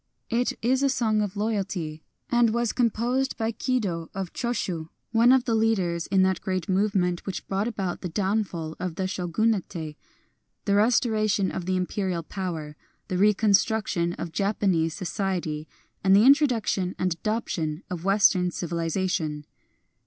It is a song of loyalty, and was composed by Kido of Cho shii, one of the leaders in that great move ment which brought about the downfall of the Shogunate, the restoration of the Imperial power, the reconstruction of Japanese society, and the introduction and adoption of Western civilization.